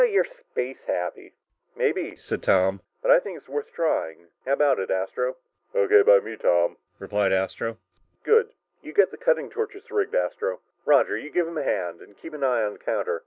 "Ah you're space happy!" "Maybe," said Tom, "but I think it's worth trying. How about it, Astro?" "O.K. by me, Tom," replied Astro. "Good. You get the cutting torches rigged, Astro. Roger, you give him a hand and keep your eye on the counter.